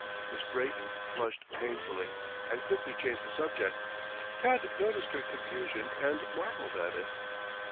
Miss Brayton flushed painfully, and quickly changed the subject. Tad noticed her confusion and marveled at it.